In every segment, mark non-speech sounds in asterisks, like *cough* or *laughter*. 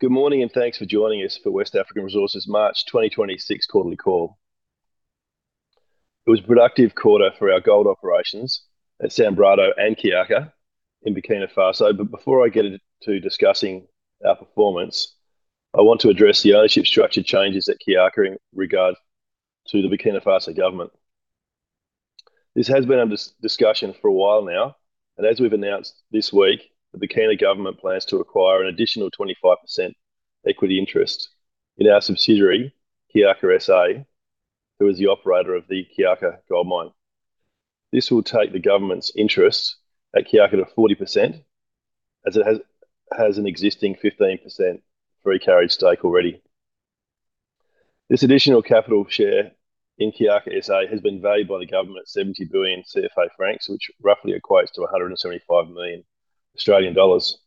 Good morning, and thanks for joining us for West African Resources' March 2026 quarterly call. It was a productive quarter for our gold operations at Sanbrado and Kiaka in Burkina Faso. Before I get to discussing our performance, I want to address the ownership structure changes at Kiaka in regard to the Burkina Faso government. This has been under discussion for a while now, and as we've announced this week, the Burkina government plans to acquire an additional 25% equity interest in our subsidiary, Kiaka SA, who is the operator of the Kiaka gold mine. This will take the government's interest at Kiaka to 40%, as it has an existing 15% free carried stake already. This additional capital share in Kiaka SA has been valued by the government at XOF 70 billion, which roughly equates to 175 million Australian dollars. There's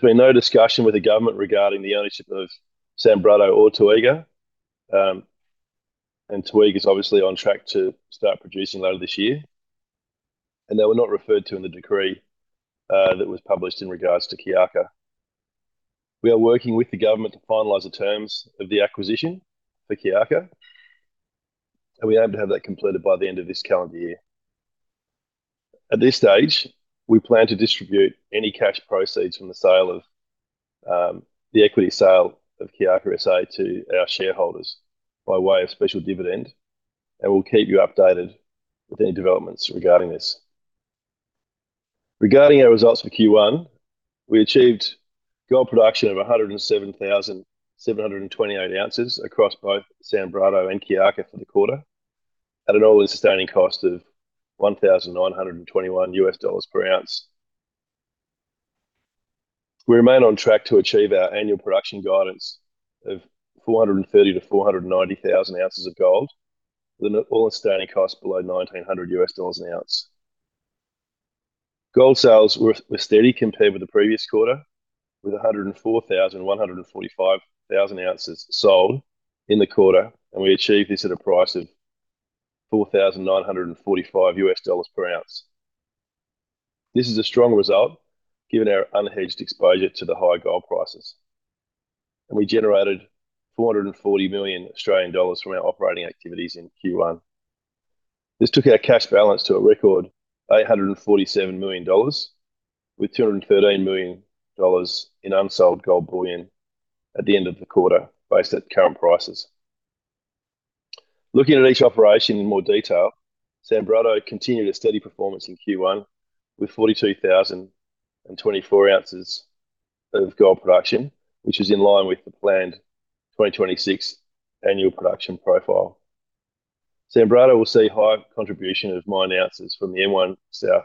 been no discussion with the government regarding the ownership of Sanbrado or Toega. Toega's obviously on track to start producing later this year. They were not referred to in the decree that was published in regards to Kiaka. We are working with the government to finalize the terms of the acquisition for Kiaka, and we aim to have that completed by the end of this calendar year. At this stage, we plan to distribute any cash proceeds from the equity sale of Kiaka SA to our shareholders by way of special dividend, and we'll keep you updated with any developments regarding this. Regarding our results for Q1, we achieved gold production of 107,728 oz across both Sanbrado and Kiaka for the quarter, at an all-in sustaining cost of $1,921 per ounce. We remain on track to achieve our annual production guidance of 430,000 oz-490,000 oz of gold, with an all-in sustaining cost below $1,900 an ounce. Gold sales were steady compared with the previous quarter, with 104,000 oz and 145,000 oz sold in the quarter, and we achieved this at a price of $4,945 per ounce. This is a strong result given our unhedged exposure to the high gold prices. We generated 440 million Australian dollars from our operating activities in Q1. This took our cash balance to a record AUD 847 million, with AUD 213 million in unsold gold bullion at the end of the quarter based on current prices. Looking at each operation in more detail. Sanbrado continued a steady performance in Q1 with 42,024 oz of gold production, which is in line with the planned 2026 annual production profile. Sanbrado will see higher contribution of mine ounces from the M1 South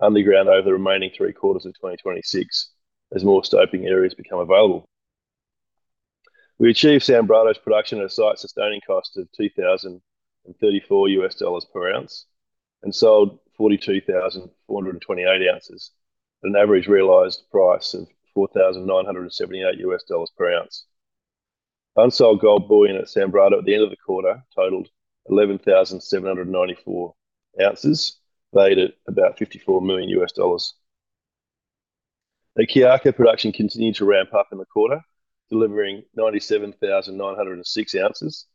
underground over the remaining three quarters of 2026 as more stoping areas become available. We achieved Sanbrado's production at a site sustaining cost of $2,034 per ounce and sold 42,428 oz at an average realized price of $4,978 per ounce. Unsold gold bullion at Sanbrado at the end of the quarter totaled 11,794 oz, valued at about $54 million. At Kiaka, production continued to ramp up in the quarter, delivering 97,906 oz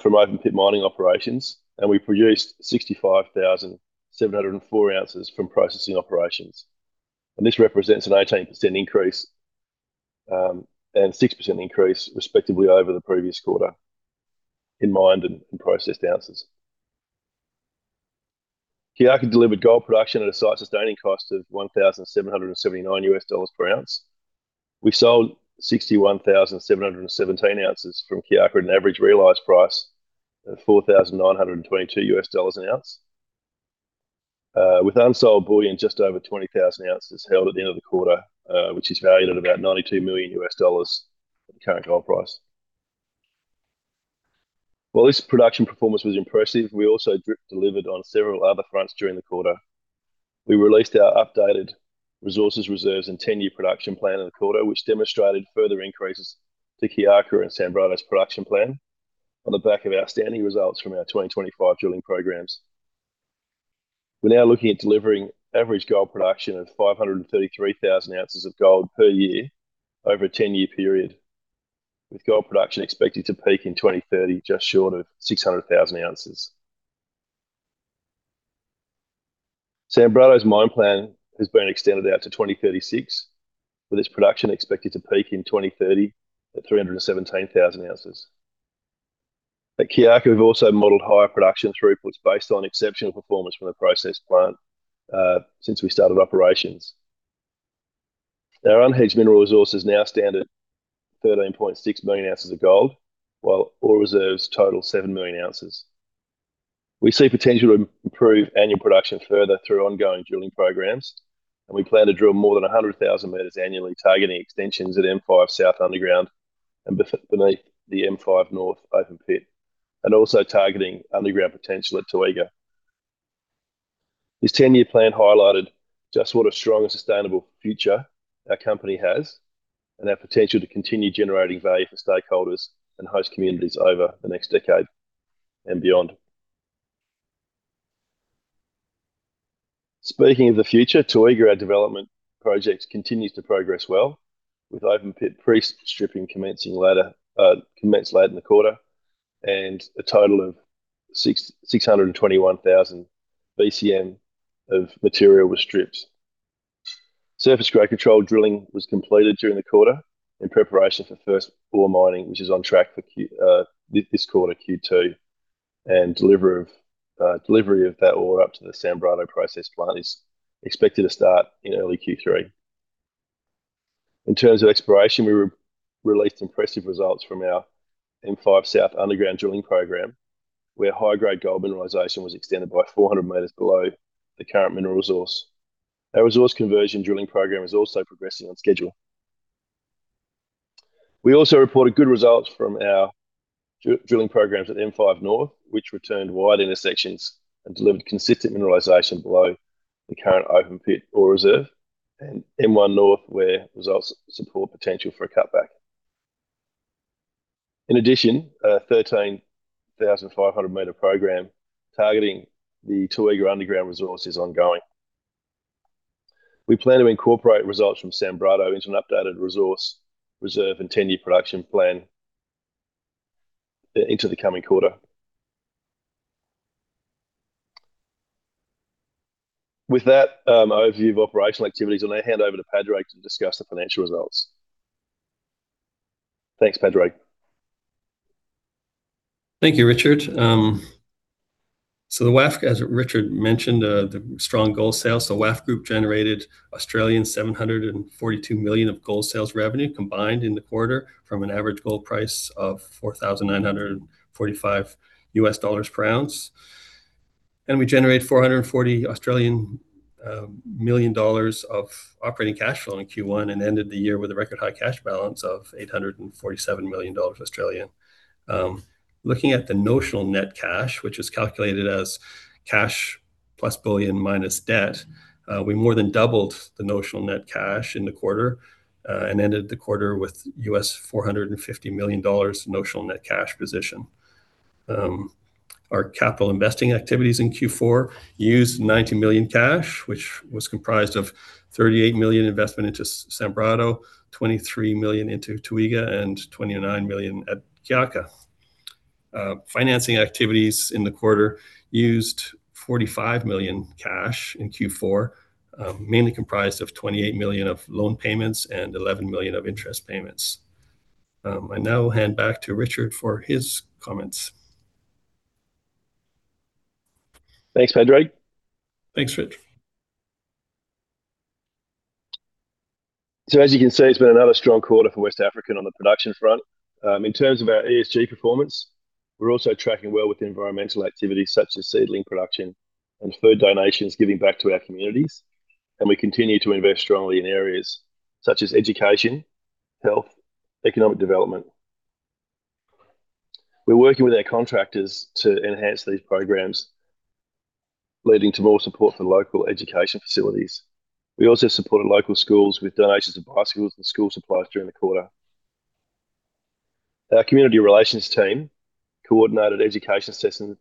from open pit mining operations, and we produced 65,704 oz from processing operations. This represents an 18% increase and 6% increase respectively over the previous quarter in mined and processed ounces. Kiaka delivered gold production at a site sustaining cost of $1,779 per ounce. We sold 61,717 oz from Kiaka at an average realized price of $4,922 an ounce. With unsold bullion just over 20,000 oz held at the end of the quarter, which is valued at about $92 million at the current gold price. While this production performance was impressive, we also delivered on several other fronts during the quarter. We released our updated resources reserves and 10-year production plan in the quarter, which demonstrated further increases to Kiaka and Sanbrado's production plan on the back of outstanding results from our 2025 drilling programs. We're now looking at delivering average gold production of 533,000 oz of gold per year over a 10-year period, with gold production expected to peak in 2030, just short of 600,000 oz. Sanbrado's mine plan has been extended out to 2036, with its production expected to peak in 2030 at 317,000 oz. At Kiaka, we've also modeled higher production throughputs based on exceptional performance from the process plant since we started operations. Our unhedged mineral resources now stand at 13.6 million oz of gold, while ore reserves total 7 million oz. We see potential to improve annual production further through ongoing drilling programs, and we plan to drill more than 100,000 m annually, targeting extensions at M5 South underground and beneath the M5 North open pit, and also targeting underground potential at Toega. This 10-year plan highlighted just what a strong and sustainable future our company has and our potential to continue generating value for stakeholders and host communities over the next decade and beyond. Speaking of the future, Toega, our development project, continues to progress well with open pit pre-stripping commenced late in the quarter, and a total of 621,000 BCM of material was stripped. Surface grade control drilling was completed during the quarter in preparation for first ore mining, which is on track for this quarter, Q2, and delivery of that ore up to the Sanbrado processing plant is expected to start in early Q3. In terms of exploration, we released impressive results from our M5 South underground drilling program, where high-grade gold mineralization was extended by 400 m below the current mineral resource. Our resource conversion drilling program is also progressing on schedule. We also reported good results from our drilling programs at M5 North, which returned wide intersections and delivered consistent mineralization below the current open pit ore reserve, and M1 North, where results support potential for a cutback. In addition, a 13,500 m program targeting the Toega underground resource is ongoing. We plan to incorporate results from Sanbrado into an updated resource reserve and 10-year production plan into the coming quarter. With that overview of operational activities, I'll now hand over to Padraig to discuss the financial results. Thanks, Padraig. Thank you, Richard. The WAF, as Richard mentioned, the strong gold sales. The WAF group generated 742 million of gold sales revenue combined in the quarter from an average gold price of $4,945 per ounce. We generated AUD 440 million of operating cash flow in Q1 and ended the year with a record high cash balance of 847 million Australian dollars. Looking at the notional net cash, which is calculated as cash plus bullion minus debt, we more than doubled the notional net cash in the quarter, and ended the quarter with $450 million notional net cash position. Our capital investing activities in Q4 used 90 million cash, which was comprised of 38 million investment into Sanbrado, 23 million into Toega, and 29 million at Kiaka. Financing activities in the quarter used 45 million cash in Q4, mainly comprised of 28 million of loan payments and 11 million of interest payments. I now hand back to Richard for his comments. Thanks, Padraig. Thanks, Richard. As you can see, it's been another strong quarter for West African on the production front. In terms of our ESG performance, we're also tracking well with environmental activities such as seedling production and food donations, giving back to our communities, and we continue to invest strongly in areas such as education, health, economic development. We're working with our contractors to enhance these programs, leading to more support for local education facilities. We also supported local schools with donations of bicycles and school supplies during the quarter. Our community relations team coordinated education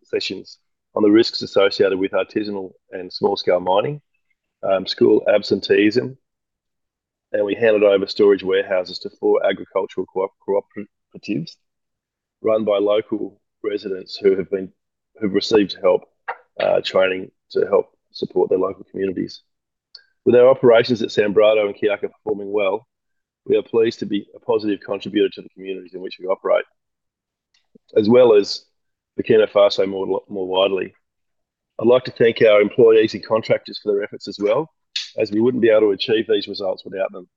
sessions on the risks associated with artisanal and small-scale mining, school absenteeism, and we handed over storage warehouses to four agricultural cooperatives run by local residents who've received help, training to help support their local communities. With our operations at Sanbrado and Kiaka performing well, we are pleased to be a positive contributor to the communities in which we operate, as well as Burkina Faso more widely. I'd like to thank our employees and contractors for their efforts as well, as we wouldn't be able to achieve these results without them.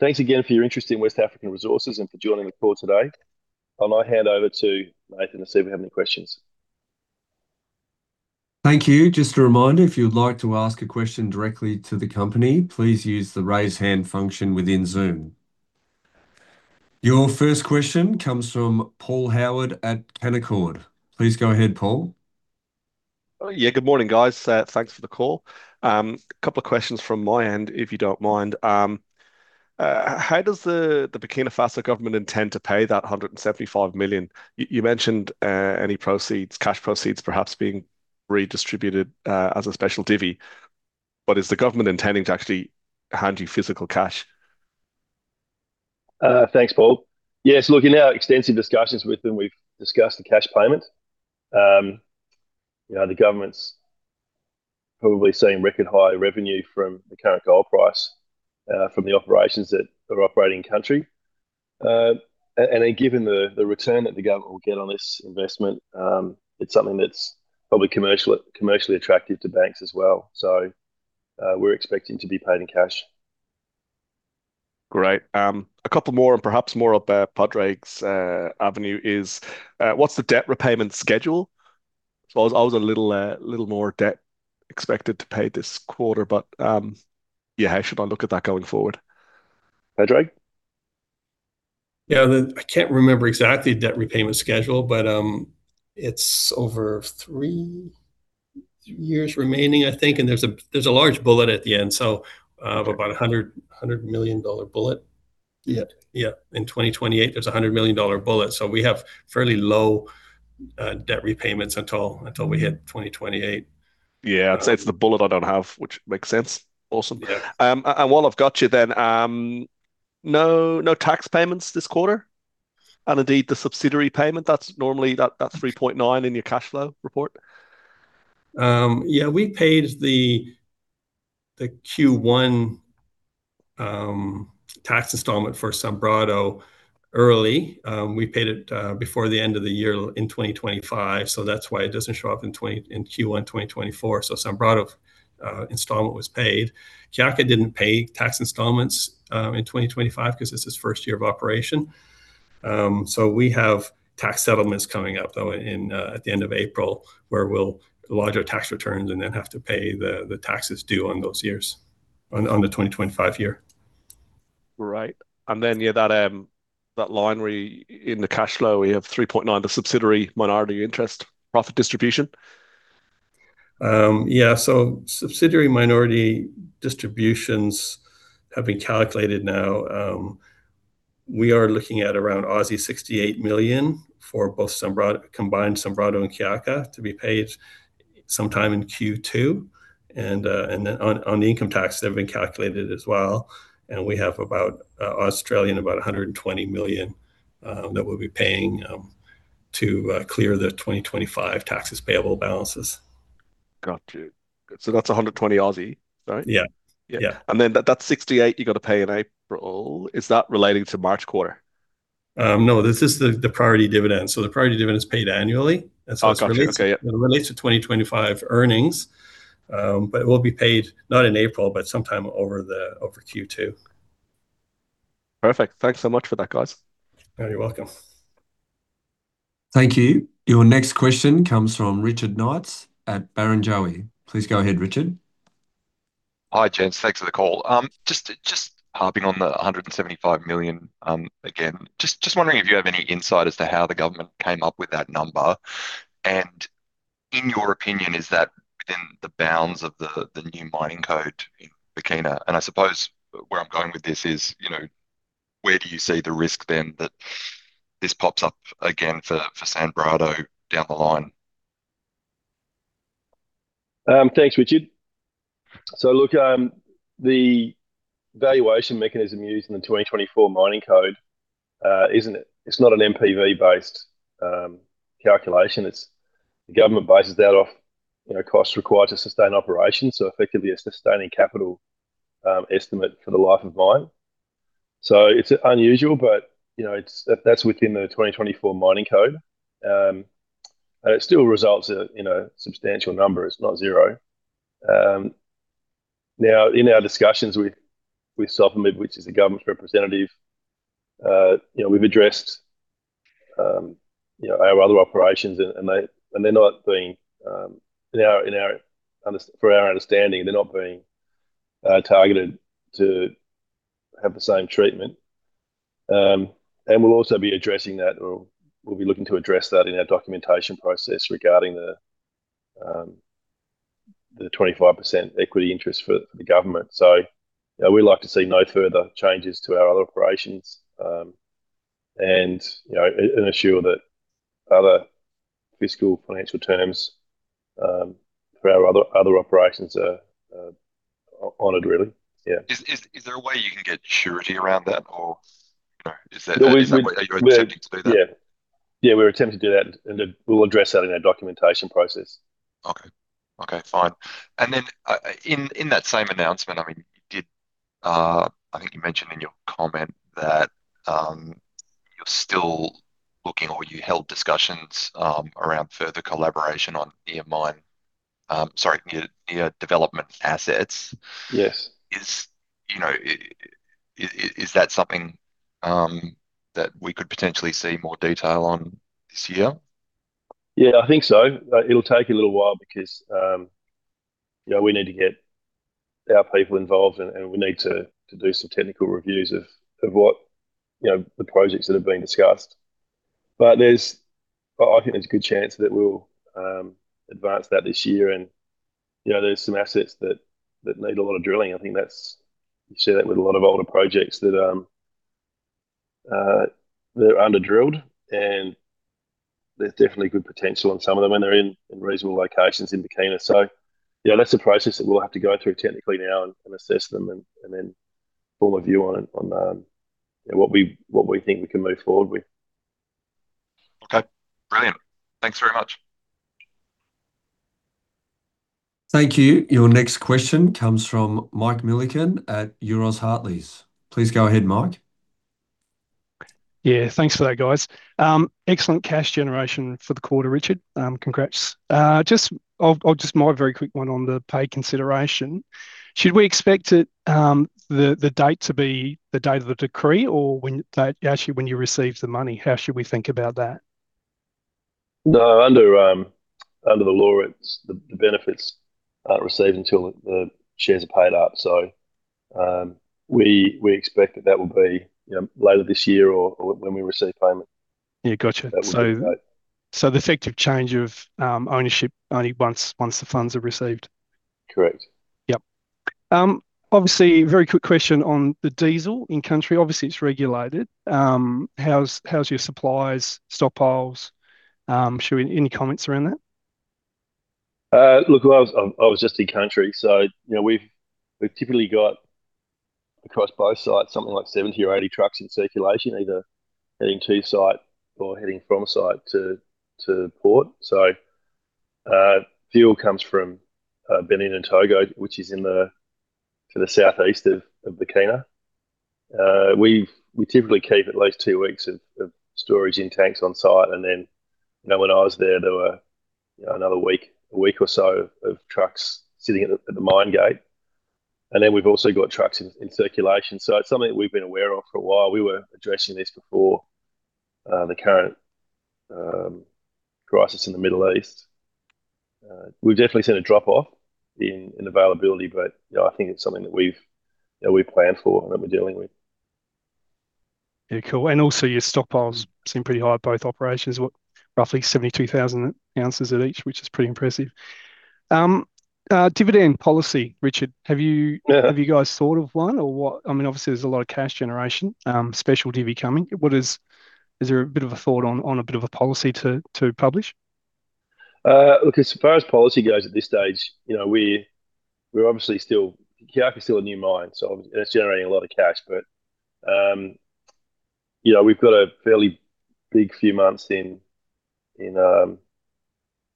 Thanks again for your interest in West African Resources and for joining the call today. I'll now hand over to Nathan to see if we have any questions. Thank you. Just a reminder, if you'd like to ask a question directly to the company, please use the raise hand function within Zoom. Your first question comes from Paul Howard at Canaccord. Please go ahead, Paul. Yeah. Good morning, guys. Thanks for the call. A couple of questions from my end, if you don't mind. How does the Burkina Faso government intend to pay that 175 million? You mentioned any cash proceeds perhaps being redistributed as a special divvy. Is the government intending to actually hand you physical cash? Thanks, Paul. Yes. Look, in our extensive discussions with them, we've discussed a cash payment. The government's probably seeing record high revenue from the current gold price from the operations that are operating in the country. Given the return that the government will get on this investment, it's something that's probably commercially attractive to banks as well. We're expecting to be paid in cash. Great. A couple more and perhaps more up Padraig's avenue is, what's the debt repayment schedule? I saw a little more debt expected to pay this quarter, but how should I look at that going forward? Padraig? Yeah. I can't remember exactly debt repayment schedule, but it's over three years remaining, I think, and there's a large bullet at the end. About 100 million dollar bullet. Yeah. Yeah. In 2028, there's 100 million dollar bullet. We have fairly low debt repayments until we hit 2028. Yeah. It's the bullet I don't have, which makes sense. Awesome. Yeah. While I've got you then, no tax payments this quarter? Indeed, the subsidiary payment, that's normally that 3.9 billion in your cash flow report. Yeah. We paid the Q1 tax installment for Sanbrado early. We paid it before the end of the year in 2025, so that's why it doesn't show up in Q1 2024. Sanbrado installment was paid. Kiaka didn't pay tax installments in 2025 because it's its first year of operation. We have tax settlements coming up, though, at the end of April, where we'll lodge our tax returns and then have to pay the taxes due on those years, on the 2025 year. Right. Yeah, that line where in the cash flow, we have 3.9 billion, the subsidiary minority interest profit distribution. Yeah. Subsidiary minority distributions have been calculated now. We are looking at around 68 million for both combined Sanbrado and Kiaka to be paid sometime in Q2. On the income tax, they've been calculated as well, and we have about 120 million that we'll be paying to clear the 2025 taxes payable balances. Got you. Good. That's 120 million, right? Yeah. Yeah. That 68 million you've got to pay in April, is that relating to March quarter? No. This is the priority dividend. The priority dividend is paid annually. *audio distortion* Okay, yeah. It relates to 2025 earnings. It will be paid not in April, but sometime over Q2. Perfect. Thanks so much for that, guys. You're welcome. Thank you. Your next question comes from Richard Knights at Barrenjoey. Please go ahead, Richard. Hi, gents. Thanks for the call. Just harping on the 175 million again. Just wondering if you have any insight as to how the government came up with that number. In your opinion, is that within the bounds of the new mining code in Burkina? I suppose where I'm going with this is, where do you see the risk then that this pops up again for Sanbrado down the line? Thanks, Richard. Look, the valuation mechanism used in the 2024 Mining Code, it's not an NPV-based calculation. The government bases that off cost required to sustain operations. Effectively, a sustaining capital estimate for the life of mine. It's unusual, but that's within the 2024 Mining Code. It still results in a substantial number. It's not zero. Now, in our discussions with SOPAMIB, which is the government's representative, we've addressed our other operations, and for our understanding, they're not being targeted to have the same treatment. We'll also be addressing that, or we'll be looking to address that in our documentation process regarding the 25% equity interest for the government. We'd like to see no further changes to our other operations, and ensure that other fiscal financial terms for our other operations are honored really. Yeah. Is there a way you can get surety around that? Or are you attempting to do that? Yeah. We're attempting to do that, and we'll address that in our documentation process. Okay. Fine. In that same announcement, I think you mentioned in your comment that you're still looking or you held discussions around further collaboration on near development assets. Yes. Is that something that we could potentially see more detail on this year? Yeah, I think so. It'll take a little while because we need to get our people involved, and we need to do some technical reviews of the projects that have been discussed. I think there's a good chance that we'll advance that this year. There's some assets that need a lot of drilling. I think you see that with a lot of older projects that they're under-drilled, and there's definitely good potential on some of them, and they're in reasonable locations in Burkina. Yeah, that's a process that we'll have to go through technically now and assess them and then form a view on it on what we think we can move forward with. Okay. Brilliant. Thanks very much. Thank you. Your next question comes from Mike Millikan at Euroz Hartleys. Please go ahead, Mike. Yeah. Thanks for that, guys. Excellent cash generation for the quarter, Richard. Congrats. Just my very quick one on the payment consideration. Should we expect the date to be the date of the decree or actually when you receive the money? How should we think about that? No. Under the law, the benefits aren't received until the shares are paid up. We expect that will be later this year or when we receive payment. Yeah. Got you. That would be the date. The effective change of ownership only once the funds are received? Correct. Yep. Obviously, very quick question on the diesel in country. Obviously, it's regulated. How's your supplies, stockpiles? I'm sure any comments around that? Look, I was just in country, so we've typically got across both sites something like 70 or 80 trucks in circulation either heading to site or heading from site to port. Fuel comes from Benin and Togo, which is to the southeast of Burkina. We typically keep at least two weeks of storage in tanks on site and then, when I was there were another week or so of trucks sitting at the mine gate. We've also got trucks in circulation. It's something that we've been aware of for a while. We were addressing this before, the current crisis in the Middle East. We've definitely seen a drop off in availability, but I think it's something that we've planned for and that we're dealing with. Yeah, cool. Your stockpiles seem pretty high at both operations. What, roughly 72,000 oz at each, which is pretty impressive. Dividend policy, Richard, have you. Yeah. Have you guys thought of one or what? I mean, obviously there's a lot of cash generation, special divvy coming. Is there a bit of a thought on a bit of a policy to publish? Look, as far as policy goes at this stage, we're obviously still. Kiaka is still a new mine, and it's generating a lot of cash. We've got a fairly big few months in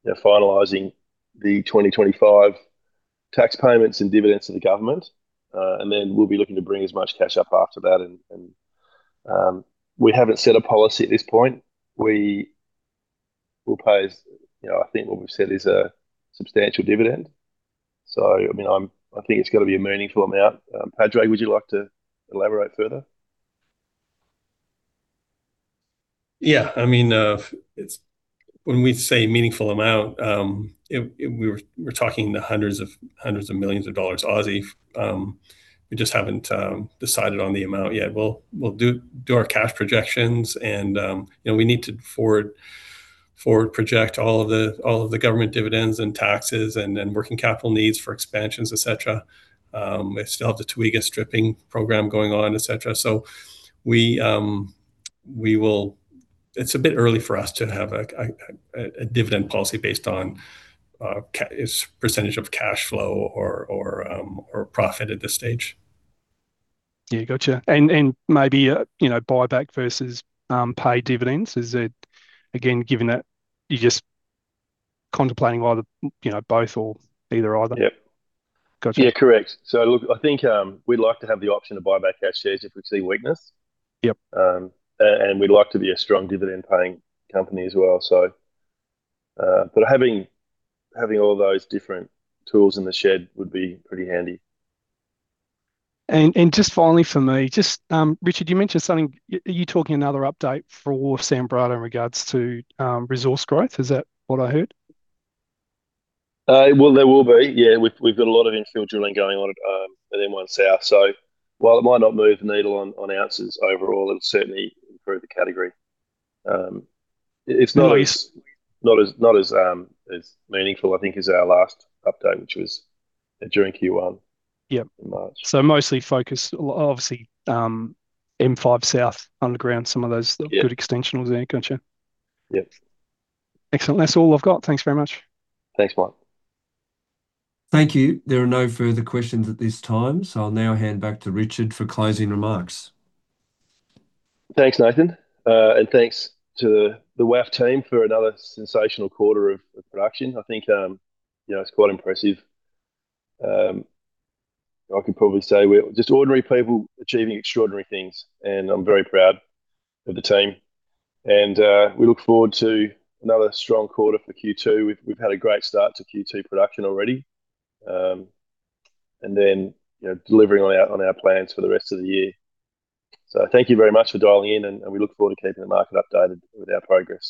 finalizing the 2025 tax payments and dividends to the government. We'll be looking to bring as much cash up after that and, we haven't set a policy at this point. We will pay. I think what we've said is a substantial dividend. I mean, I think it's got to be a meaningful amount. Padraig, would you like to elaborate further? Yeah. I mean, when we say meaningful amount, we're talking in the hundreds of millions dollars. We just haven't decided on the amount yet. We'll do our cash projections and we need to forward project all of the government dividends and taxes and working capital needs for expansions, et cetera. We still have the Toega stripping program going on, et cetera. It's a bit early for us to have a dividend policy based on percentage of cash flow or profit at this stage. Yeah. Got you. Maybe, buyback versus paid dividends. Is it, again, given that you're just contemplating whether both or either? Yep. Got you. Yeah. Correct. Look, I think, we'd like to have the option to buy back our shares if we see weakness. Yep. We'd like to be a strong dividend-paying company as well, so. Having all those different tools in the shed would be pretty handy. Just finally from me, just, Richard, you mentioned something. Are you talking another update for Sanbrado in regards to resource growth? Is that what I heard? Well, there will be. Yeah. We've got a lot of infill drilling going on at M1 South. While it might not move the needle on ounces overall, it'll certainly improve the category. It's not as. [audio distrotion] Not as meaningful, I think, as our last update, which was during Q1. Yep. In March. Mostly focused obviously, M5 South underground, some of those. Yeah. Good extensionals there, got you. Yep. Excellent. That's all I've got. Thanks very much. Thanks, Mike. Thank you. There are no further questions at this time, so I'll now hand back to Richard for closing remarks. Thanks, Nathan. Thanks to the WAF team for another sensational quarter of production. I think, it's quite impressive. I can probably say we're just ordinary people achieving extraordinary things, and I'm very proud of the team. We look forward to another strong quarter for Q2. We've had a great start to Q2 production already, delivering on our plans for the rest of the year. Thank you very much for dialing in, and we look forward to keeping the market updated with our progress.